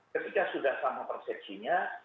ketika sudah sama persepsinya